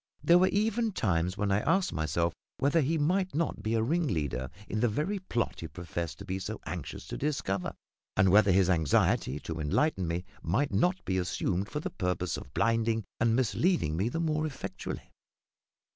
There were even times when I asked myself whether he might not be a ringleader in the very plot he professed to be so anxious to discover, and whether his anxiety to enlighten me might not be assumed for the purpose of blinding and misleading me the more effectually.